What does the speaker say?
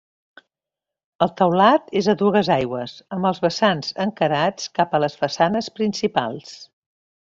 El teulat és a dues aigües, amb els vessants encarats cap a les façanes principals.